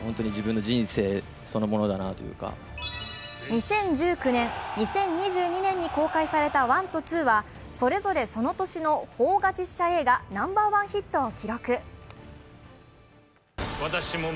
２０１９年２０２２年に公開された１と２はそれぞれその年の邦画実写映画ナンバーワンヒットを記録。